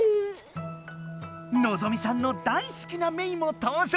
のぞみさんの大すきなメイも登場！